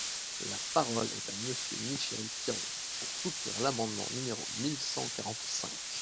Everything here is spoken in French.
La parole est à Monsieur Michel Piron, pour soutenir l’amendement numéro mille cent quarante-cinq.